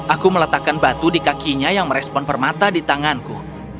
aku meletakkan batu di kakinya yang merespon permata di tanganku